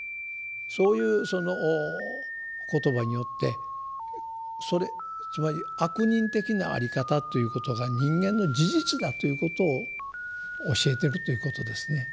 そういうその言葉によってそれつまり悪人的なあり方ということが人間の事実だということを教えてるということですね。